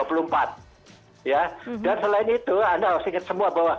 dan selain itu anda harus ingat semua bahwa htm di indonesia itu sudah berubah